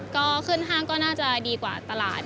ก็ขึ้นห้างก็น่าจะดีกว่าตลาด